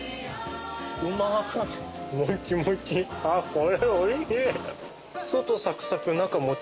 これおいしい。